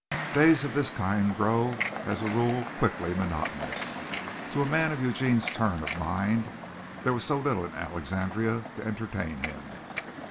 Days of this kind grow as a rule quickly monotonous. To a man of Eugene's turn of mind there was so little in Alexandria to entertain him.